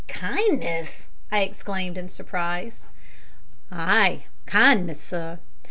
"Kindness!" I exclaimed, in surprise. "Ay, kindness, sir.